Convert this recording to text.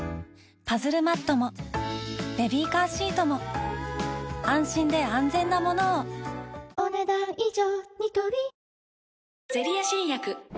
パズルマットもベビーカーシートも安心で安全なものをお、ねだん以上。